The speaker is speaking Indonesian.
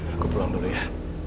aku pulang dulu ya